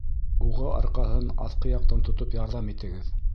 Уға арҡаһын аҫҡы яҡтан тотоп ярҙам итегеҙ.